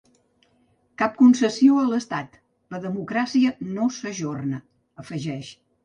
Cap concessió a l’estat, la democràcia no s’ajorna, afegeix.